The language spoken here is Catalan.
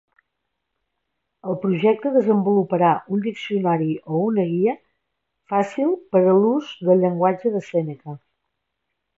El projecte desenvoluparà un diccionari o una guia fàcil per a l'ús del llenguatge de Sèneca.